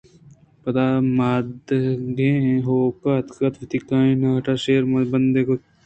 پدا مادگیں ہُوک ءَاتک ءُ وتی کانٹاں شیر مانبندان کُت